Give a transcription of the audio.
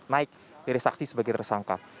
naik dari saksi sebagai tersangka